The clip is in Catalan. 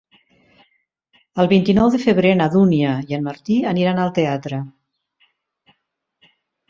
El vint-i-nou de febrer na Dúnia i en Martí aniran al teatre.